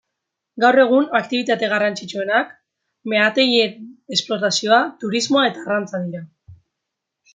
Gaur egun, aktibitate garrantzitsuenak, meategien esplotazioa, turismoa eta arrantza dira.